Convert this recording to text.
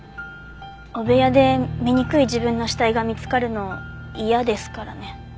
汚部屋で醜い自分の死体が見つかるの嫌ですからね。